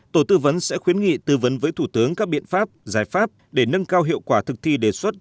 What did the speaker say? tổ tư vấn sẽ khuyến nghị tư vấn với thủ tướng các biện pháp giải pháp để nâng cao hiệu quả thực thi đề xuất